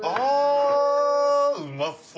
うまそう。